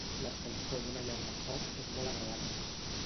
L'escalfor d'una llar de foc és molt agradable.